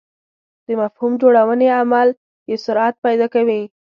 د مفهوم جوړونې عمل یې سرعت پیدا کوي.